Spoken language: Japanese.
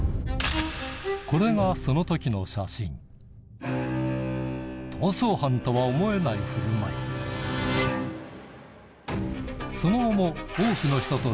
これがその時の写真逃走犯とは思えない振る舞いその後も彼はそして一体